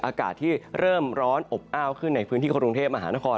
อากาศที่เริ่มร้อนอบอ้าวขึ้นในพื้นที่กรุงเทพมหานคร